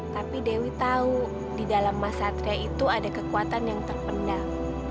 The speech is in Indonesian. tapi dewi tahu di dalam mas satria itu ada kekuatan yang terpendam